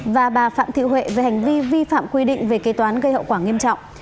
và bà phạm thị huệ về hành vi vi phạm quy định về kế toán gây hậu quả nghiêm trọng